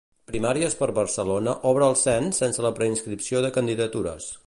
Primàries per Barcelona obre el cens sense la preinscripció de candidatures.